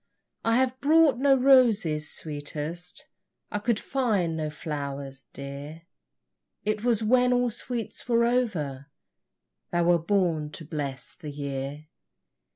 I have brought no roses, sweetest, I could find no flowers, dear, It was when all sweets were over Thou wert born to bless the year.